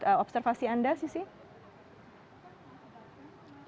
tapi hanya setakat